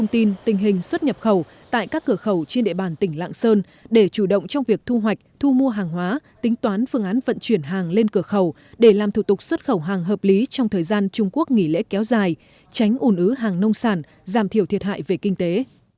tình hình xuất nhập khẩu tại các cửa khẩu trên địa bàn tỉnh lạng sơn để chủ động trong việc thu hoạch thu mua hàng hóa tính toán phương án vận chuyển hàng lên cửa khẩu để làm thủ tục xuất khẩu hàng hợp lý trong thời gian trung quốc nghỉ lễ kéo dài tránh ủn ứ hàng nông sản giảm thiểu thiệt hại về kinh tế